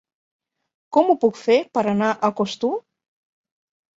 Com ho puc fer per anar a Costur?